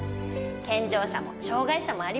健常者も障害者もありません。